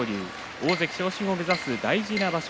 大関昇進を目指す大事な場所。